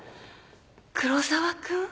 黒沢君？